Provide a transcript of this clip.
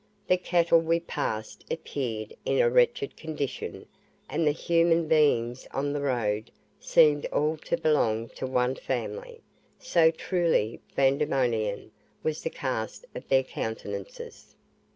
The cattle we passed appeared in a wretched condition, and the human beings on the road seemed all to belong to one family, so truly Vandemonian was the cast of their countenances.